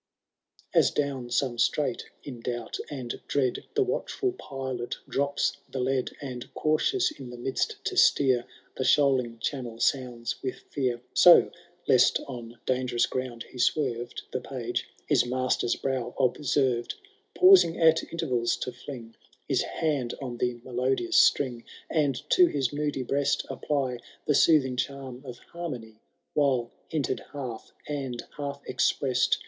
IX. As down some strait in doubt and dread The watchful pilot drops the lead. And, cautious in the midst to steer. The shoaling channel sounds with fear ; So, lest on dangerous ground he swerred. The Page his ma8ter*8 brow observed. Pausing at intervals to fling His hand on the melodious string, And to his moody breast apply The soothing chann of harmony. While hinted half, and half exprest.